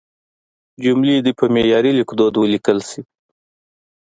جملې دې په معیاري لیکدود ولیکل شي.